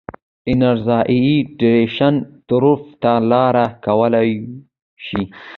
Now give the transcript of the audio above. او انزائټي ډپرېشن طرف ته لار کولاو شي